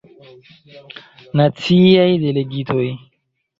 Naciaj Delegitoj.